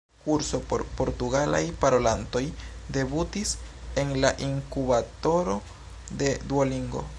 -kurso por portugalaj parolantoj debutis en la inkubatoro de Duolingo